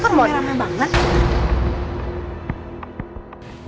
kok mona rame banget